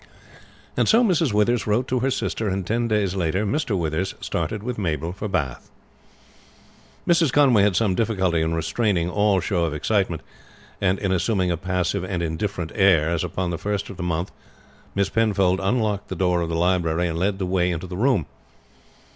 And so Mrs. Withers wrote to her sister, and ten days later Mr. Withers started with Mabel for Bath. Mrs. Conway had some difficulty in restraining all show of excitement, and in assuming a passive and indifferent air as upon the first of the month Miss Penfold unlocked the door of the library and led the way into the room.